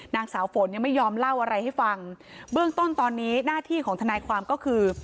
นางสาวฝนยังไม่ยอมเล่าอะไรให้ฟังเบื้องต้นตอนนี้หน้าที่ของทนายความก็คือ